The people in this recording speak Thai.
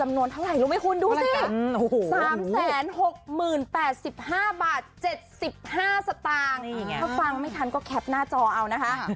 ถ้าฟังไม่ทันก็แคปหน้าจอเอานะคะ